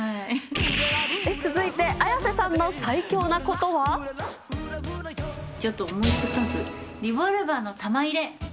続いて綾瀬さんの最強なことちょっと思いつかず、リボルバーの弾入れ。